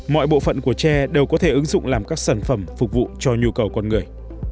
mọi bộ phận của tre đều có thể ứng dụng làm các sản phẩm phục vụ cho nhu cầu con người